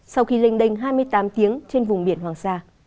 sau khi lênh đênh hai mươi tám tiếng trên vùng biển hoàng sa